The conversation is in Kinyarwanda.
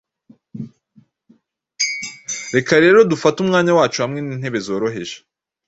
Reka rero dufate umwanya wacu hamwe nintebe zoroheje